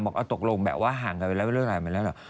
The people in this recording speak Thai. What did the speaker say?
บอกเอาตกลงแบบว่าห่างกันแล้วเรื่องอะไรแล้ว